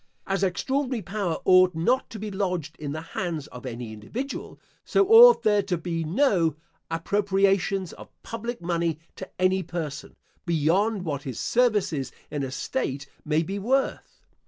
As extraordinary power ought not to be lodged in the hands of any individual, so ought there to be no appropriations of public money to any person, beyond what his services in a state may be worth.